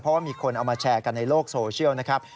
เพราะว่ามีคนเอามาแชร์กันในโลกโซเชียลนะครับ